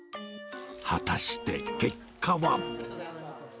果たして結果は。